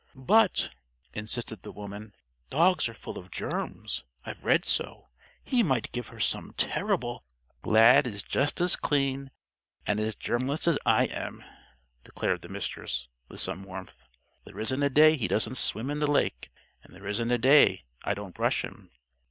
"But," insisted the woman, "dogs are full of germs. I've read so. He might give her some terrible " "Lad is just as clean and as germless as I am," declared the Mistress, with some warmth. "There isn't a day he doesn't swim in the lake, and there isn't a day I don't brush him.